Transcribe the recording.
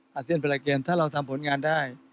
หาเถื่อนเผลอเกมส์ถ้าเราทำผลงานได้